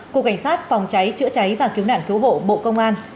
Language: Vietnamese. cục cảnh sát phòng cháy chữa cháy và cứu nạn cứu hộ bộ công an